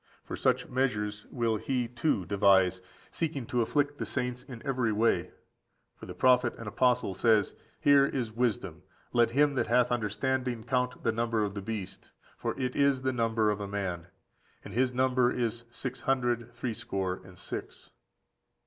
For such measures will he, too, devise, seeking to afflict the saints in every way. For 215the prophet and apostle says: "Here is wisdom, Let him that hath understanding count the number of the beast; for it is the number of a man, and his number is six hundred threescore and six."